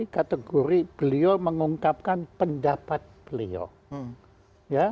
kategori beliau mengungkapkan pendapat beliau